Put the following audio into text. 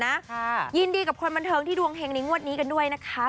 นะค่ะยินดีกับคนมันเทิงที่ดวงแหน่งงวดนี้กันด้วยนะคะ